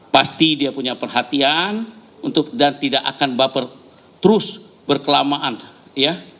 pasti dia punya perhatian dan tidak akan baper terus berkelamaan ya